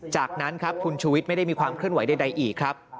จากนั้นครับคุณชูวิทย์ไม่ได้มีความเคลื่อนไหวใดอีกครับ